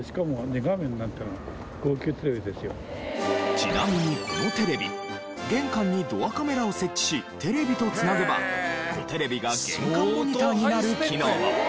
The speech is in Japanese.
ちなみにこのテレビ玄関にドアカメラを設置しテレビと繋げば子テレビが玄関モニターになる機能も。